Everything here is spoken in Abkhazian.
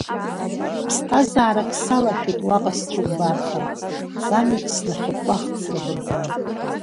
Ԥсҭазаарак салашәеит уаҟа сцәыкәбарха, ӡамҩак снахьыкәкәахт слаӷырӡны.